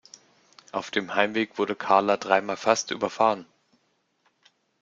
Auf dem Heimweg wurde Karla dreimal fast überfahren.